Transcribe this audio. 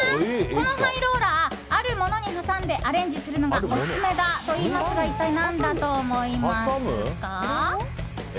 このハイローラーあるものに挟んでアレンジするのがオススメだといいますが一体何だと思いますか？